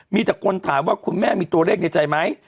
มีแต่คนถามว่าคุณแม่มีตัวเลขในใจไหม